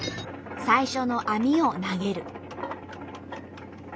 最初の網を投げる。